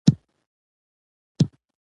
د هغه مړینه د پښتو غزل لپاره د یو عصر پای و.